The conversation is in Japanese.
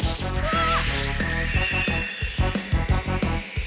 あっ！